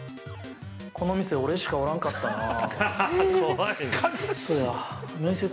この店、俺しかおらんかったなぁ。